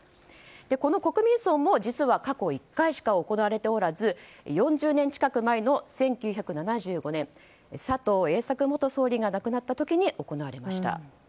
この国民葬も実は過去１回しか行われておらず４０年近く前の１９７５年佐藤栄作元総理が亡くなった時に行われました。